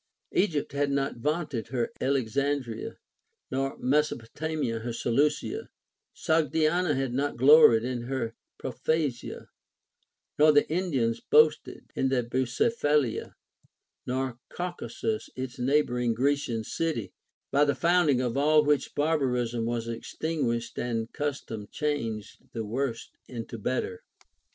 Egypt had not vaunted her Alexandria, nor Mesopotamia her Seleucia ; Sogdiana had not gloried in her Propthasia, nor the Indians boasted their Bucephalia, nor Caucasus its neighboring Grecian city ; by the founding of all which bar barism was extinguished and custom changed the worse into better.